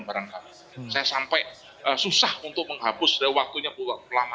saya sampai susah untuk menghapus dan waktunya berlalu lama